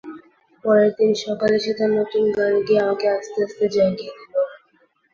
পরের দিন সকালে সে তার নতুন গান গেয়ে আমাকে আস্তে আস্তে জাগিয়ে দিল।